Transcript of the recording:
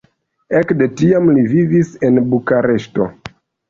Ekde tiam li vivis en Bukareŝto.